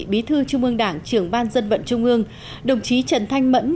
bí thư trung ương đảng trưởng ban dân vận trung ương đồng chí trần thanh mẫn